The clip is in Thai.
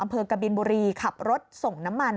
อำเภอกับบินบุรีขับรถส่งน้ำมัน